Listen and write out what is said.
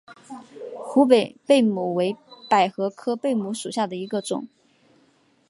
湖北贝母为百合科贝母属下的一个种。